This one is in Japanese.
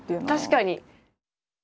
確かに！